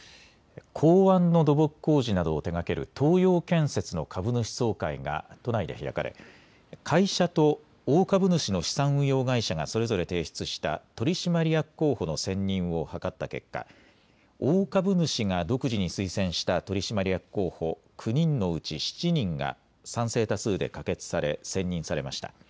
港湾の土木工事などを手がける東洋建設の株主総会が都内で開かれ会社と大株主の資産運用会社がそれぞれ提出した取締役候補の選任を諮った結果、大株主が独自に推薦した取締役候補９人のうち７人が賛成多数で可決され選任されました。